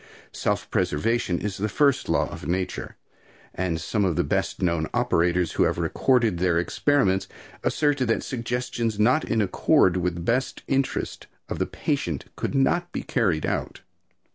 Self preservation is the first law of nature, and some of the best known operators who have recorded their experiments assert that suggestions not in accord with the best interest of the patient could not be carried out.